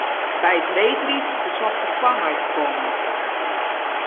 By it reedriden besocht er foar my te kommen.